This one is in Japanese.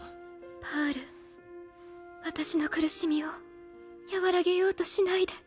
パール私の苦しみを和らげようとしないで。